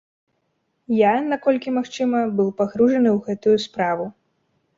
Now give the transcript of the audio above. Я, наколькі магчыма, быў пагружаны ў гэту справу.